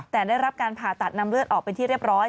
แต่ได้รับการผ่าตัดนำเลือดออกเป็นที่เรียบร้อย